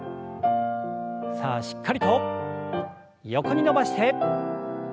さあしっかりと横に伸ばして。